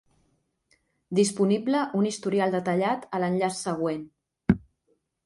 Disponible un historial detallat a l'enllaç següent.